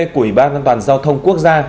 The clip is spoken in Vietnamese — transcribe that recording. của ủy ban an toàn giao thông quốc gia